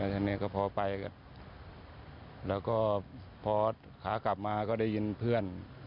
ทีนี้ก็พอไปก็แล้วก็พอขากลับมาก็ได้ยินเพื่อน